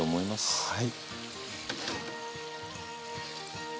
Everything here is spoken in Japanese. はい。